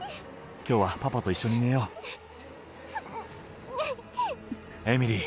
今日はパパと一緒に寝ようエミリー